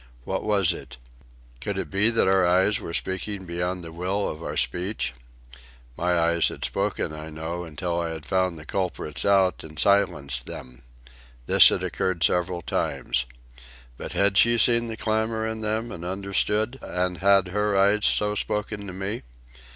What was it? Could it be that our eyes were speaking beyond the will of our speech? My eyes had spoken, I knew, until I had found the culprits out and silenced them. This had occurred several times. But had she seen the clamour in them and understood? And had her eyes so spoken to me?